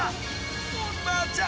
おばあちゃん